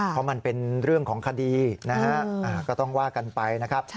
เพราะมันเป็นเรื่องของคดีนะฮะก็ต้องว่ากันไปนะครับ